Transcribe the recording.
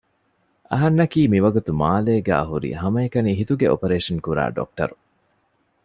އަހަންނަކީ މިވަގުތު މާލޭގައި ހުރި ހަމައެކަނި ހިތުގެ އޮޕަރޭޝަން ކުރާ ޑޮކްޓަރު